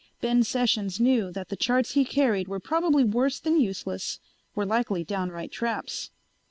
Ben Sessions knew that the charts he carried were probably worse than useless, were likely downright traps.